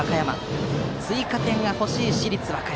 追加点が欲しい市立和歌山。